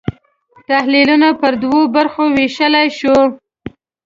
تحلیلونه پر دوو برخو وېشلای شو.